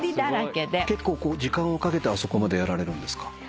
結構時間をかけてあそこまでやられるんですか？